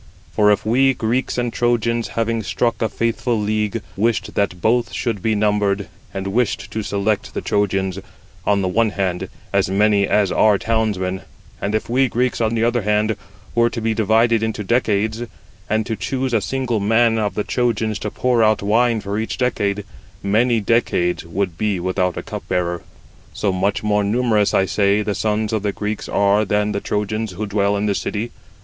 For if we, Greeks and Trojans, having struck a faithful league, 85 wished that both should be numbered, and [wished] to select the Trojans, on the one hand, as many as are townsmen; and if we Greeks, on the other hand, were to be divided into decades, and to choose a single man of the Trojans to pour out wine [for each decade], many decades would be without a cupbearer. 86 So much more numerous, I say, the sons of the Greeks are than the Trojans who dwell in the city.